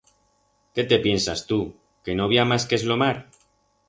Qué te piensas tu, que no bi ha mas que eslomar?